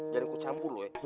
jangan gue campur lo ya